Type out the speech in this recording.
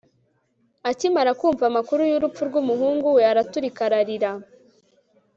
akimara kumva amakuru y'urupfu rw'umuhungu we, araturika ararira